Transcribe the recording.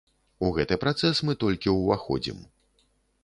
У гэты працэс мы толькі ўваходзім.